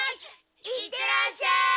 行ってらっしゃい！